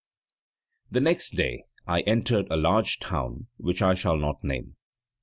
< 5 > The next day I entered a large town which I shall not name.